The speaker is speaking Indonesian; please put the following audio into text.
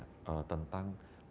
tentang barang konsumsi